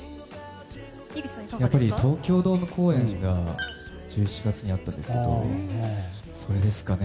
やっぱり東京ドーム公演が１１月にあったんですけどそれですかね。